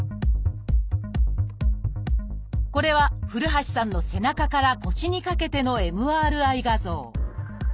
これは古橋さんの背中から腰にかけてのＭＲＩ画像。